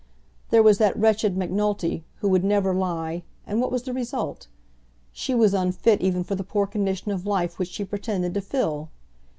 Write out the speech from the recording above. There was that wretched Macnulty, who would never lie; and what was the result? She was unfit even for the poor condition of life which she pretended to fill.